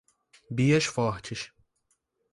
Bias Fortes